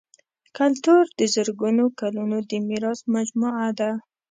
کلتور د زرګونو کلونو د میراث مجموعه ده.